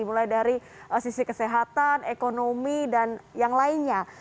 mulai dari sisi kesehatan ekonomi dan yang lainnya